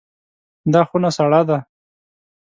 دا خونه سړه ده.